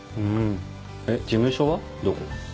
えっ事務所はどこ？